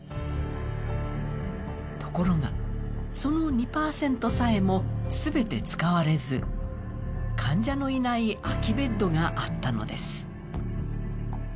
ところが、その２％さえも全て使われず患者のいない空きベッドがあったのです。